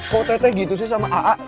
kok teteh gitu sih sama aa